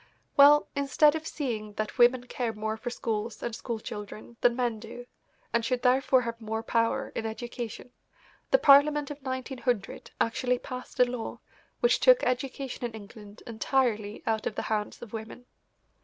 Well, instead of seeing that women care more for schools and school children than men do and should therefore have more power in education, the Parliament of 1900 actually passed a law which took education in England entirely out of the hands of women.